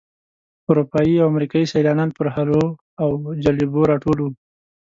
اروپایي او امریکایي سیلانیان پر حلواو او جلبیو راټول وي.